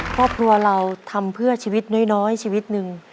เพราะเพราะเราทำเพื่อชีวิตน้อยชีวิตนึง